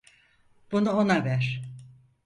Bunu ona ver.